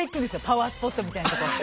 パワースポットみたいなところ。